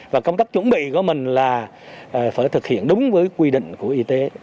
và công tác chuẩn bị của mình là phải thực hiện đúng với quy định của y tế